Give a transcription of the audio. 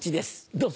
どうぞ。